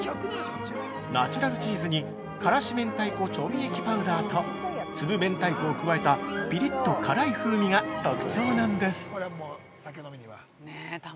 ナチュラルチーズに辛子明太子調味液パウダーと粒明太子を加えた、ピリッと辛い風味が特徴なんです。